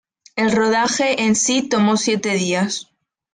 El rodaje en si tomó siete días.